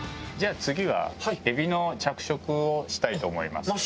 じゃあ次はエビの着色をしたいと思います。